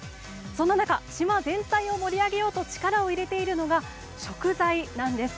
そんななか、島全体を盛り上げようと力を入れているのが食材なんです。